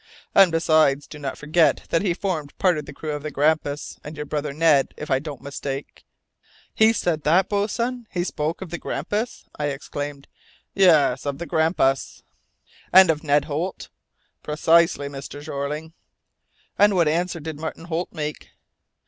And besides, do not forget that he formed part of the crew of the Grampus, and your brother Ned, if I don't mistake '" "He said that, boatswain; he spoke of the Grampus?" I exclaimed. "Yes of the Grampus!" "And of Ned Holt?" "Precisely, Mr. Jeorling!" "And what answer did Martin Holt make?"